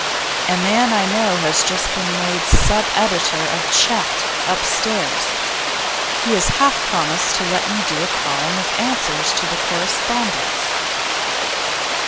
'A man I know has just been made sub editor of Chat, upstairs. He has half promised to let me do a column of answers to correspondents.